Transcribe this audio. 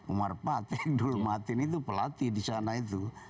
umar pat abdul matin itu pelatih di sana itu